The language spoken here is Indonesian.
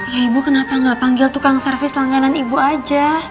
ya ibu kenapa nggak panggil tukang servis langganan ibu aja